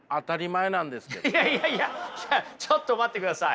いやいやいやちょっと待ってください。